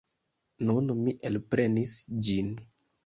Nun mi elprenis ĝin.